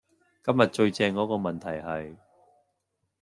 今日最正嗰個問題係